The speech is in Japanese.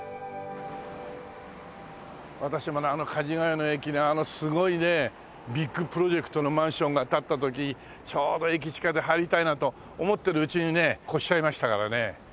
私もねあの梶が谷の駅のあのすごいねビッグプロジェクトのマンションが建った時ちょうど駅近で入りたいなと思ってるうちにね越しちゃいましたからね。